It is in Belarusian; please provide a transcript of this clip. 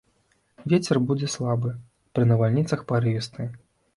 Вецер будзе слабы, пры навальніцах парывісты.